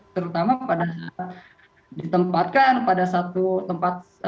terutama pada saat ditempatkan pada satu tempat